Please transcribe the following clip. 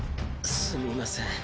すみません。